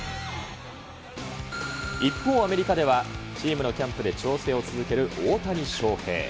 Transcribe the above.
一方、アメリカではチームのキャンプで調整を続ける大谷翔平。